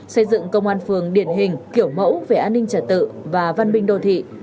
xây dựng công an phường điển hình kiểu mẫu về an ninh trật tự và văn minh đô thị